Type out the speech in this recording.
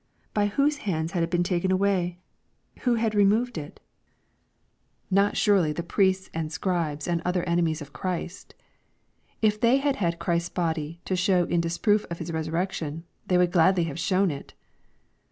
By whose hands had it been taken away ? Who had removed it ? Not surely the priests and scribes and 492 EXPOSITORY THOUGHTS. other enemies of Christ 1 If they had had Christ's body to show in disproof of His resurrection, they would gladly have shown it.